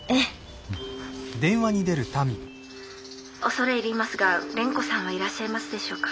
☎恐れ入りますが蓮子さんはいらっしゃいますでしょうか？